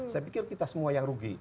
saya pikir kita semua yang rugi